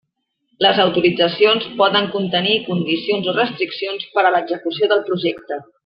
Les autoritzacions poden contenir condicions o restriccions per a l'execució del projecte.